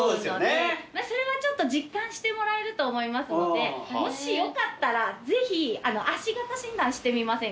それはちょっと実感してもらえると思いますのでもしよかったらぜひ足型診断してみませんか？